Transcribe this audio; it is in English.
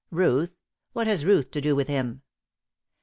"Ruth what has Ruth to do with him?"